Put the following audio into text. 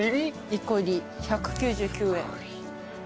１個入り１９９円。